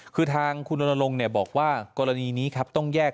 คือทางคุณนรงค์บอกว่ากรณีนี้ครับต้องแยก